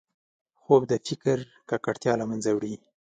خوب د فکر ککړتیا له منځه وړي